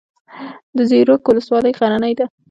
د زیروک ولسوالۍ غرنۍ ده